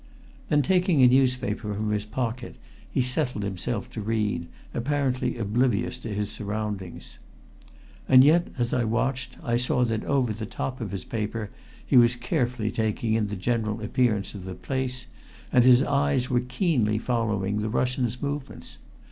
Then, taking a newspaper from his pocket, he settled himself to read, apparently oblivious to his surroundings. And yet as I watched I saw that over the top of his paper he was carefully taking in the general appearance of the place, and his eyes were keenly following the Russian's movements.